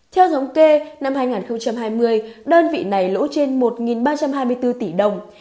theo thống kê năm hai nghìn hai mươi đơn vị này lỗ trên một ba trăm hai mươi bốn tỷ đồng